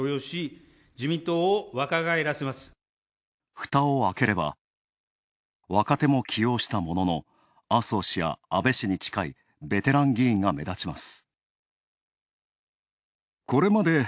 ふたを開ければ、若手も起用したものの、麻生氏や安倍氏に近いベテラン議員が目立ちます。